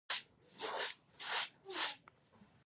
د هرزه ګیاوو کنټرول په لاس ښه دی که په درملو؟